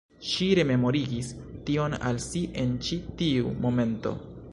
Ŝi rememorigis tion al si en ĉi tiu momento.